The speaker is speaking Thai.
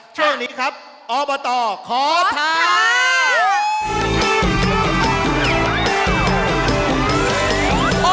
ช่วงนี้ครับอเบอร์ตอร์ขอท้า